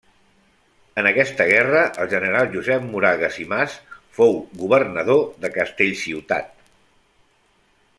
En aquesta guerra el general Josep Moragues i Mas fou governador de Castellciutat.